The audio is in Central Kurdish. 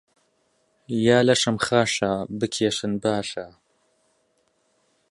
یا لەشم خاشە بکێشن باشە